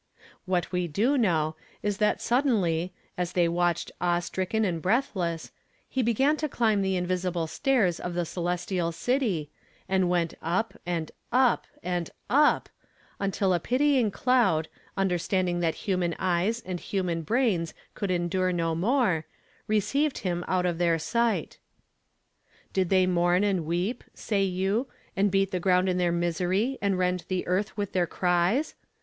^ What we do know, is that suddenly, as they watched awe stricken and breathless, he began to chmb the invisible staii^ of the celestial city, and went up and u, and .rp, until a pitying cloud, un demtandmg that hun.an eyes an.l human brains could endure no more, received him out of their sight I Did they mo,,,.,, an,l weep, say yo„, and I,eat the g, „,,,„l ,„ thei, ,„isery, and rond the earth witi, the,r c„e»